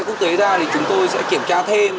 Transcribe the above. quốc tế ra thì chúng tôi sẽ kiểm tra thêm